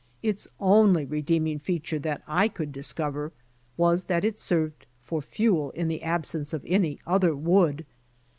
Its only redeeming feature that I could dis cover was that it served for fuel in the absence of any other wood.